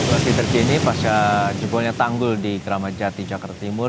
masih terkini pasca jebolnya tanggul di keramat jati jakarta timur